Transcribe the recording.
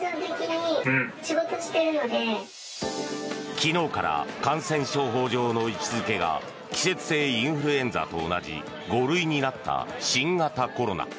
昨日から感染症法上の位置付けが季節性インフルエンザと同じ５類になった新型コロナ。